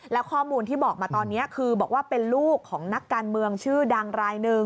แล้วข้อมูลที่บอกมาตอนนี้คือบอกว่าเป็นลูกของนักการเมืองชื่อดังรายหนึ่ง